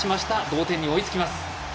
同点に追いつきます。